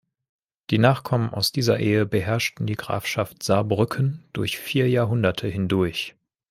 Die Nachkommen aus dieser Ehe beherrschten die Grafschaft Saarbrücken durch vier Jahrhunderte hindurch.